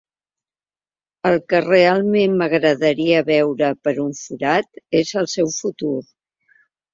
El que realment m'agradaria veure per un forat és el seu futur.